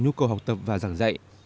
nhu cầu học tập và giảng dạy